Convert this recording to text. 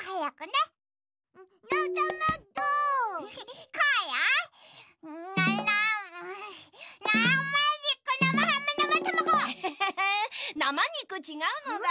なまにく？ちがうのだ。